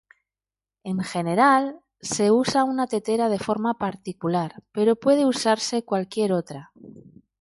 En general, se usa una tetera de forma particular, pero puede usarse cualquier otra.